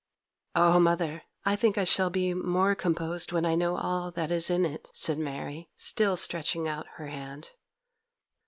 'Oh, mother, I think I shall be more composed when I know all that is in it,' said Mary, still stretching out her hand.